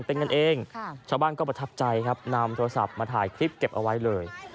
เป็นกันเองชาวบ้านก็ประทับใจครับนำโทรศัพท์มาถ่ายคลิปเก็บเอาไว้เลย